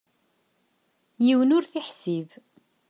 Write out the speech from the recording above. Yiwen ur t-iḥsib.